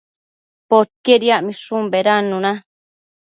Poquied yacmishun bedannuna